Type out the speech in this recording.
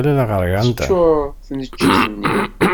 Teččuṛ tneččit-nni.